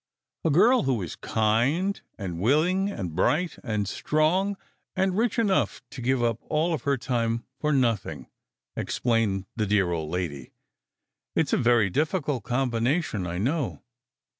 "A girl who is kind, and willing, and bright and strong, and rich enough to give up all her time for nothing," explained the dear old lady. "It s a very difficult combination, I know.